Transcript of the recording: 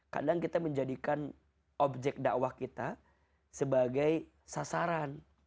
kadang kita menjadikan objek dakwah kita sebagai sasaran